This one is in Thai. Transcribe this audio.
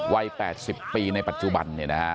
วัย๘๐ปีในปัจจุบัน